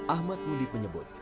ahmad nudib menyebut